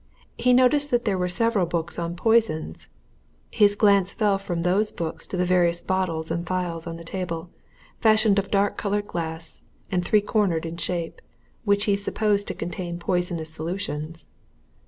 He noticed that there were several books on poisons; his glance fell from those books to various bottles and phials on the table, fashioned of dark coloured glass and three cornered in shape, which he supposed to contain poisonous solutions.